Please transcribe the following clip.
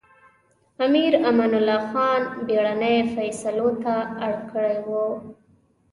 امیر امان الله خان بېړنۍ فېصلو ته اړ کړی و.